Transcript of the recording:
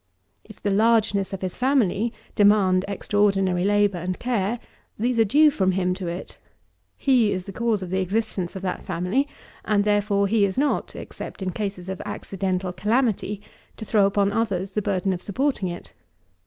If the largeness of his family demand extraordinary labour and care, these are due from him to it. He is the cause of the existence of that family; and, therefore, he is not, except in cases of accidental calamity, to throw upon others the burden of supporting it.